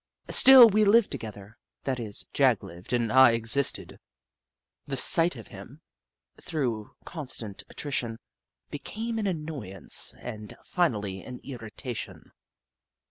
Still we lived together — that is. Jagg lived, and I existed. The sight of him, through constant attrition, became an annoyance, and finally an irritation.